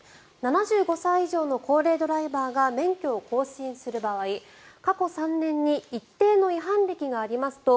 ７５歳以上の高齢ドライバーが免許を更新する場合過去３年に一定の違反歴がありますと